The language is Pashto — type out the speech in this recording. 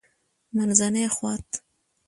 -منځنی خوات: